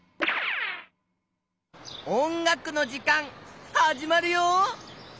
おんがくのじかんはじまるよ！